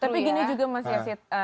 tapi gini juga mas yasit